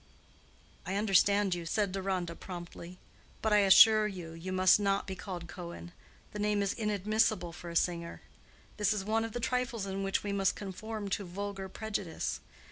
"I understand you," said Deronda, promptly. "But I assure you, you must not be called Cohen. The name is inadmissible for a singer. This is one of the trifles in which we must conform to vulgar prejudice.